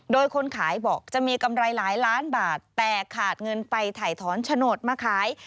โดยคนขายบอกจะมีกำไรหลายล้านบาทแต่ขาดเงินไปถ่ายถอนโฉนดมาขาย